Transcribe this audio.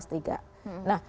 masyarakat ini adalah kelas tiga